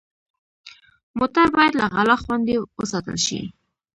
موټر باید له غلا خوندي وساتل شي.